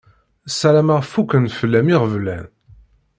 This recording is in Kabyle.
Sarameɣ fukken fell-am iɣeblan.